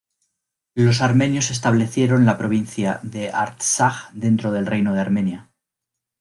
Los armenios establecieron la provincia de Artsaj dentro del Reino de Armenia.